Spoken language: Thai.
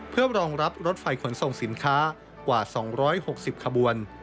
เพื่อรองรับรถไฟขนส่งสินค้ากว่า๒๖๐ขบวน